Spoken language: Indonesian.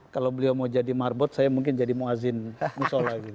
kalau beliau mau jadi marbot saya mungkin jadi muazzin musola gitu